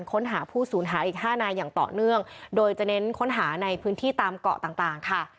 ค้นหาผู้สูญหายอีกห้านายอย่างต่อเนื่องโดยจะเน้นค้นหาในพื้นที่ตามเกาะต่างต่างค่ะ